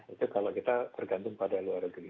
itu kalau kita bergantung pada luar negeri